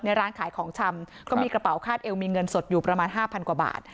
ร้านขายของชำก็มีกระเป๋าคาดเอวมีเงินสดอยู่ประมาณห้าพันกว่าบาท